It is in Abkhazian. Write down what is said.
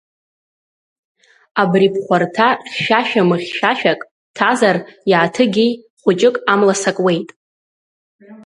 Абри бхәарҭа хьшәашәа-мыхьшәашәак ҭазар иааҭыгеи, хәыҷык амла сакуеит!